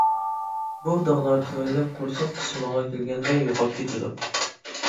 بۇ داغلار تۆۋەنلەپ قورساق قىسمىغا كەلگەندە يوقاپ كېتىدۇ.